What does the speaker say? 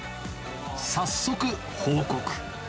早速、報告。